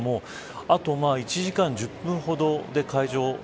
あと１時間１０分ほどで会場